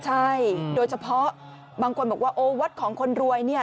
ใช่โดยเฉพาะบางคนบอกว่าโอ้วัดของคนรวยเนี่ย